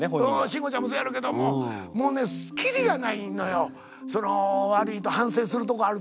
慎吾ちゃんもそやろけどももうね切りがないのよ悪いと反省するとこあると。